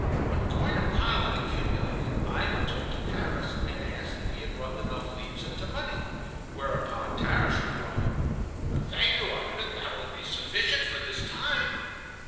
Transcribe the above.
When quite a pile had accumulated Ivan turned to Tarras and asked if he had rubbed enough leaves into money, whereupon Tarras replied: "Thank you, Ivan; that will be sufficient for this time."